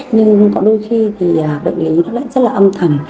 nhưng có đôi khi thì bệnh lý nó lại rất là âm thầm